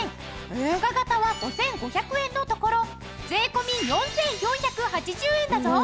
深型は５５００円のところ税込４４８０円だぞ！